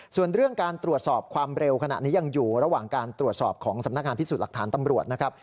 ส่วนเรื่องการตรวจสอบความเร็วขณะนี้ยังอยู่ระหว่างการตรวจสอบของสำนักงานพิสูจน์หลักฐานตำรวจนะครับ